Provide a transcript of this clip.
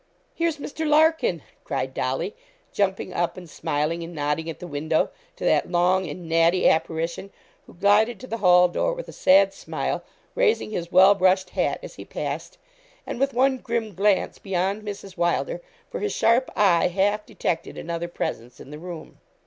'Here's Mr. Larkin!' cried Dolly, jumping up, and smiling and nodding at the window to that long and natty apparition, who glided to the hall door with a sad smile, raising his well brushed hat as he passed, and with one grim glance beyond Mrs. Wylder, for his sharp eye half detected another presence in the room.